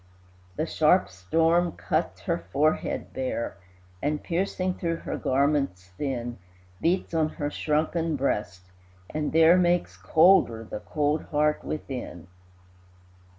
The sharp storm cuts her forehead bare, And, piercing through her garments thin, Beats on her shrunken breast, and there Makes colder the cold heart within.